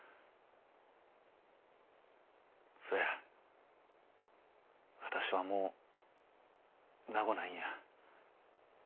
そや私はもう長ごないんや。